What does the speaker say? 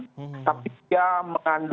tapi dia mengandung implikasi yang terjadi